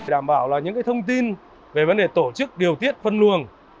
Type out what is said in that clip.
đảm bảo là những thông tin về vấn đề tổ chức điều tiết phân luồng